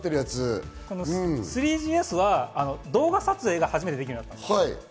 ３ＧＳは動画撮影が初めてできるようになったんですよ。